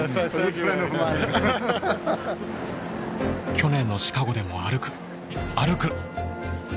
去年のシカゴでも歩く歩く。